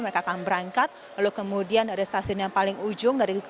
mereka akan berangkat lalu kemudian dari stasiun yang paling ujung